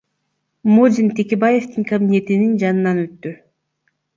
Модин Текебаевдин кабинетинин жанынан өттү.